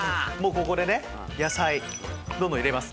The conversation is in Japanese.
ここでね野菜どんどん入れます。